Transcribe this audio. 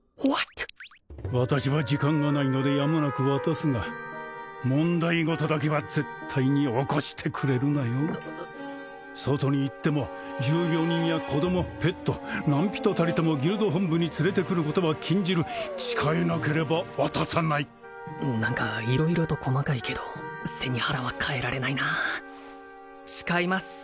私は時間がないのでやむなく渡すが問題ごとだけは絶対に起こしてくれるなよ外に行っても重病人や子供ペット何人たりともギルド本部に連れてくることは禁じる誓えなければ渡さない何か色々と細かいけど背に腹は代えられないな誓います